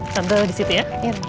tante disitu ya